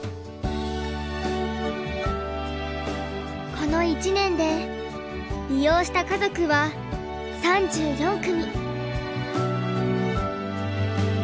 この１年で利用した家族は３４組。